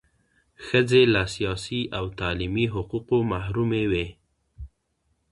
ښځې له سیاسي او تعلیمي حقوقو محرومې وې.